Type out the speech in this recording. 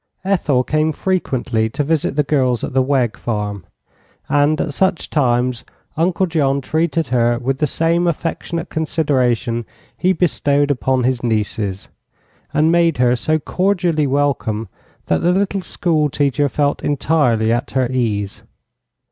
Ethel came frequently to visit the girls at the Wegg farm, and at such times Uncle John treated her with the same affectionate consideration he bestowed upon his nieces, and made her so cordially welcome that the little school teacher felt entirely at her ease.